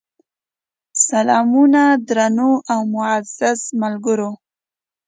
سلامونه درنو او معزز ملګرو!